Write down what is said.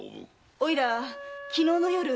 おいら昨日の夜。